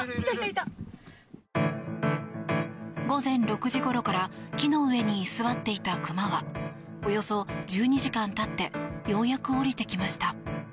午前６時ごろから木の上に居座っていたクマはおよそ１２時間経ってようやく下りてきました。